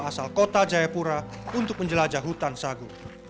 asal kota jayapura untuk menjelajah hutan sagu